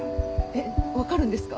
えっ分かるんですか？